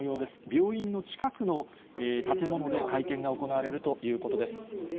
病院の近くの建物で会見が行われるということです。